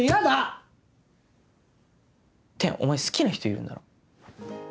てんお前好きな人いるんだろ？